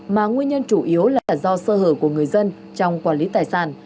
mà nguyên nhân chủ yếu là do sơ hở của người dân trong quản lý tài sản